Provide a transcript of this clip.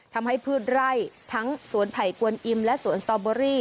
พืชไร่ทั้งสวนไผ่กวนอิมและสวนสตอเบอรี่